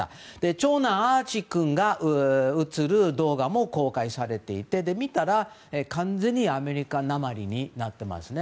長男アーチー君が映る動画も公開されていて、見たら完全にアメリカなまりになっていますね。